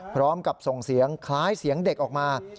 พร้อมกับส่งเสียงคล้ายเสียงเด็กออกมา